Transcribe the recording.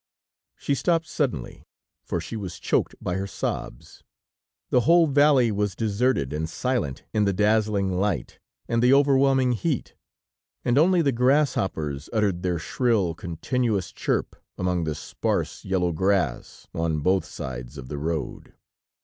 She stopped suddenly, for she was choked by her sobs. The whole valley was deserted and silent in the dazzling light, and the overwhelming heat, and only the grasshoppers uttered their shrill, continuous chirp among the sparse, yellow grass on both sides of the road.